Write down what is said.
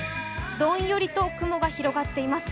どんよりと雲が広がっています。